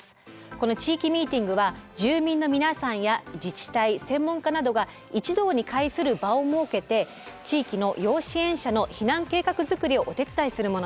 この地域ミーティングは住民の皆さんや自治体専門家などが一堂に会する場を設けて地域の要支援者の避難計画作りをお手伝いするものです。